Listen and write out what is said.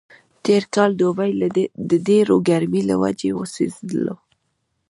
تېر کال دوبی د ډېرې ګرمۍ له وجې وسوځېدلو.